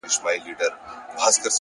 هره لاسته راوړنه قرباني غواړي؛